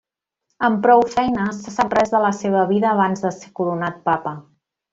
Amb prou feines se sap res de la seva vida abans de ser coronat papa.